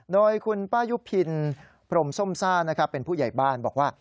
โดยคุณป้ายุพินพรมส้มซ่านะครับเป็นผู้ใหญ่บ้านบอกว่า